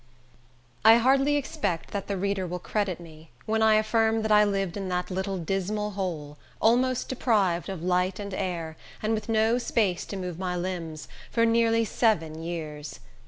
I hardly expect that the reader will credit me, when I affirm that I lived in that little dismal hole, almost deprived of light and air, and with no space to move my limbs, for nearly seven years.